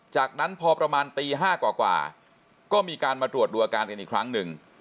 จากนั้นพอประมาณตี๕กว่าก็มีการมาตรวจดูอาการกันอีกครั้งหนึ่ง